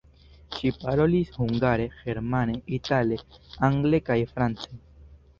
Ŝi parolis hungare, germane, itale, angle kaj france.